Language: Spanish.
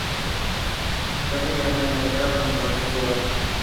Luego viajó a Inglaterra donde estableció su hogar.